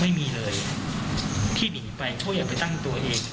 ไม่มีเลยที่หนีไปเขาอย่าไปตั้งตัวเอง